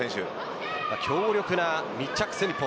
強力な密着戦法